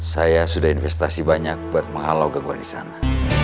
saya sudah investasi banyak buat menghalau gangguan di sana